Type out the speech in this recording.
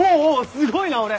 すごいな俺。